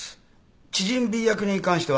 知人Ｂ役に関しては。